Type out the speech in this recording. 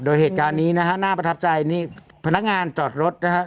โดยเหตุการณ์นี้นะฮะน่าประทับใจนี่พนักงานจอดรถนะฮะ